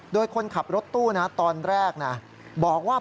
ด้วยคนขับรถตู้ตอนแรกบอกว่า